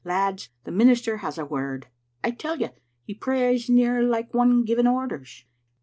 Lads, the minister has a word! I tell you he prays near like one giving orders.